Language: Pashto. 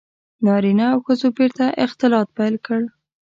• نارینه او ښځو بېرته اختلاط پیل کړ.